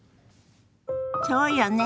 そうよね。